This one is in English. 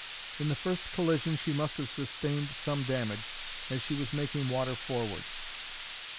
In the first collision she must have sustained some damage, as she was making water forward.